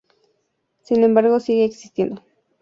Sin embargo siguen existiendo.